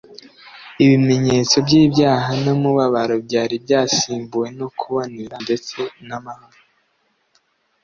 ibimenyetso by'ibyaha n'umubabaro byari byasimbuwe no kubonera ndetse n'amahoro.